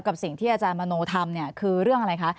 กับสิ่งที่อาจารย์มโนทำเนี่ยคือเรื่องอะไรคะ